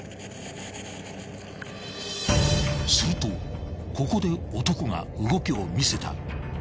［するとここで男が動きを見せた］